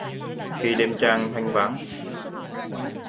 Khi đêm trăng thanh vắng.